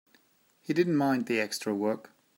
He didn't mind the extra work.